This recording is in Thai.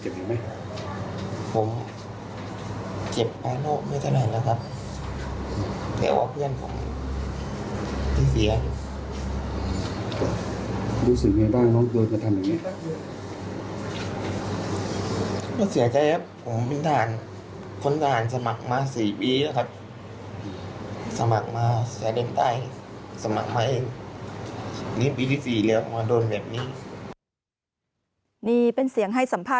บอกว่าปลาและกลางต่อการพิจารณา